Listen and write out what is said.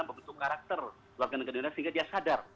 mempengaruhi warga negara sehingga dia sadar